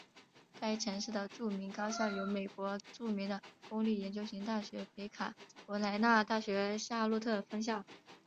该城市的著名高校有美国著名的公立研究型大学北卡罗莱纳大学夏洛特分校。